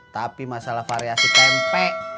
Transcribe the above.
tapi masalah variasi tempe